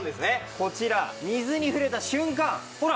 こちら水に触れた瞬間ほら。